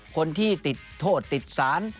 คนที่ติดโทษติดสาร